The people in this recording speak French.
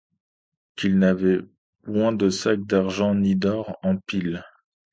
Qu'ils n'avaient point de sacs d'argent, ni d'or en piles